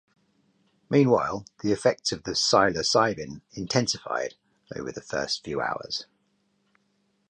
Meanwhile, the effects of the psilocybin intensified over the first few hours.